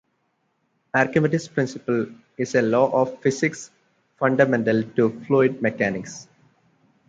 Archimedes' principle is a law of physics fundamental to fluid mechanics.